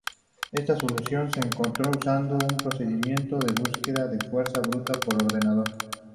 Esta solución se encontró usando un procedimiento de búsqueda de fuerza bruta por ordenador.